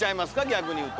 逆にいうと。